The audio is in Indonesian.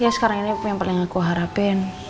ya sekarang ini aku yang paling aku harapin